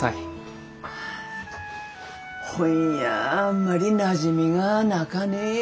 本やあんまりなじみがなかね。